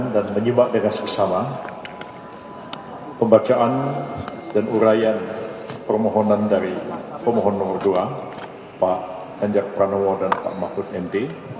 danjak pranowo dan pak mahmud md